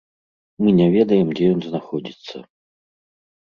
Мы не ведаем, дзе ён знаходзіцца.